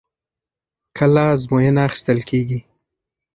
کله ازموینه اخیستل کېږي؟